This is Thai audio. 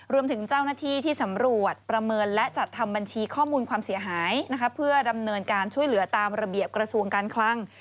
รวมถึงเจ้าหน้าที่ที่สำรวจประเมินและจัดทำบัญชีข้อมูลความเสียหายเพื่อดำเนินการช่วยเหลือตามระเบียบกระทรวงการคลัง